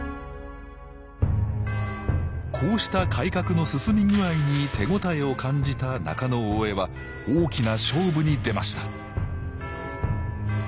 こうした改革の進み具合に手応えを感じた中大兄は大きな勝負に出ました